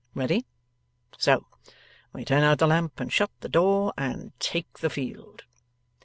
Ready? So. We turn out the lamp and shut the door, and take the field.